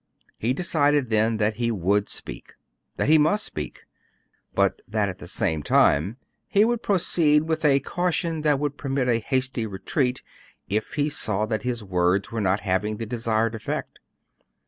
He decided then that he would speak; that he must speak; but that at the same time he would proceed with a caution that would permit a hasty retreat if he saw that his words were not having the desired effect.